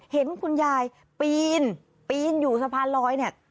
เห็นคุณยายปีนปีนอยู่สะพานลอยเนี่ย